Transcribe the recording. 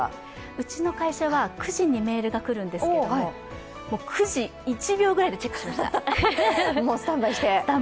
うちの会社は９時にメールが来るんですけれども、９時１秒くらいでチェックしました、スタンバイして。